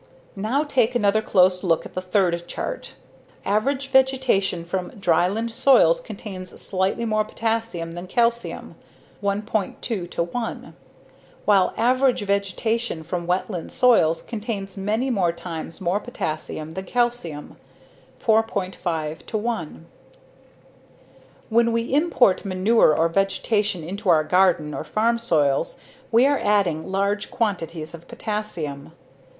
Now take another close look at the third chart. Average vegetation from dryland soils contains slightly more potassium than calcium (1.2:1) while average vegetation from wetland soils contains many more times more potassium than calcium (4.5:1). When we import manure or vegetation into our garden or farm soils we are adding large quantities of potassium.